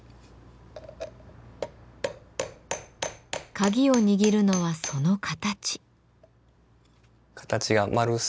鍵を握るのはその形。